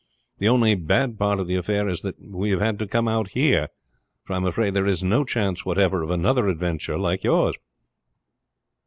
The only bad part of the affair is that we have had to come out here, for I am afraid there is no chance whatever of another adventure like yours."